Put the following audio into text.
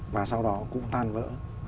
và sau đó cũng tan vỡ